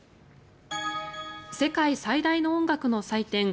世界最大の音楽の祭典